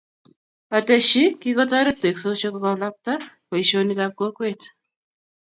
Ateshi, kikotoret teksosiek kokalbta boishionik ab kowket